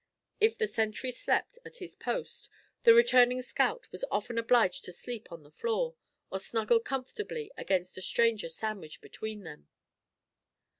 If the sentry slept at his post the returning scout was often obliged to sleep on the floor, or snuggle comfortably against a stranger sandwiched between them.